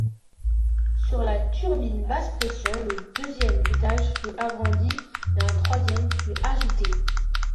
Sur la turbine basse-pression, le deuxième étage fut agrandi et un troisième fut ajouté.